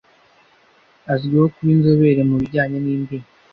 Azwiho kuba inzobere mu bijyanye n'indimi.